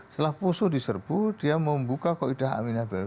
setelah poso diserbu dia membuka koidah aminah baru